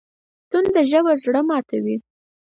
تنده ژبه زړه ماتوي